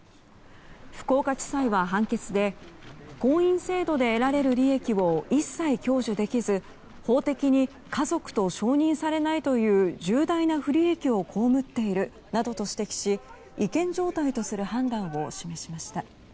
福岡地裁は判決で婚姻制度で得られる利益を一切享受できず法的に家族と承認されないという重大な不利益を被っているなどと指摘し違憲状態とする判断を示しました。